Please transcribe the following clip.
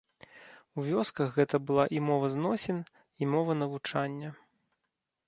У вёсках гэта была і мова зносін, і мова навучання.